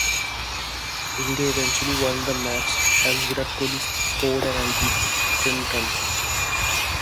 India eventually won the match as Virat Kohli scored an unbeaten ton.